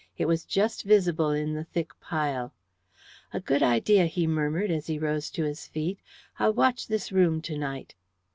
It was just visible in the thick pile. "A good idea!" he murmured, as he rose to his feet. "I'll watch this room to night."